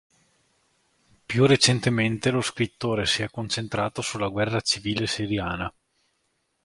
Più recentemente lo scrittore si è concentrato sulla guerra civile siriana.